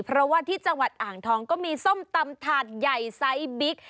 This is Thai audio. เพราะว่าที่จังหวัดอ่างทองก็มีส้มตำถาดใหญ่ไซส์บิ๊ก